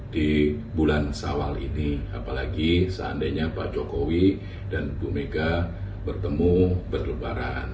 di bulan sawal ini apalagi seandainya pak jokowi dan bu mega bertemu berlebaran